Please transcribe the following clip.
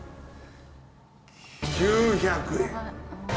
９００円。